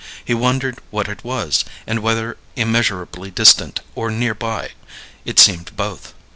He wondered what it was, and whether immeasurably distant or near by it seemed both.